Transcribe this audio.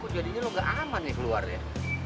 kok jadinya lo ga aman nih luar ya